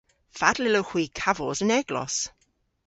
Fatel yllowgh hwi kavos an eglos?